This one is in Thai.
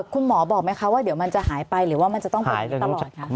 คุณหมอบอกไหมคะว่าเดี๋ยวมันจะหายไปหรือว่ามันจะต้องเป็นอย่างนี้ตลอดคะ